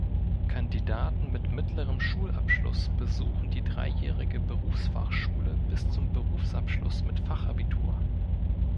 Kandidaten mit mittlerem Schulabschluss besuchen die dreijährige Berufsfachschule bis zum Berufsabschluss mit Fachabitur.